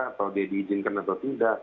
atau dia diizinkan atau tidak